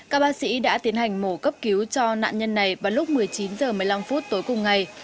các bác sĩ đã tiến hành mổ cấp cứu cho nạn nhân này vào lúc một mươi chín h một mươi năm tối cùng ngày